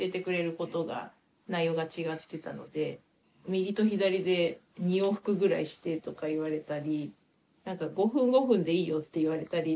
「右と左で２往復ぐらいして」とか言われたり「５分５分でいいよ」って言われたり。